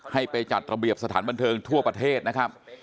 ให้ไปจัดระเบียบสถานบันเทิงทั่วประเทศนะครับ